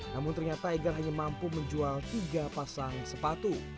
namun ternyata egar hanya mampu menjual tiga pasang sepatu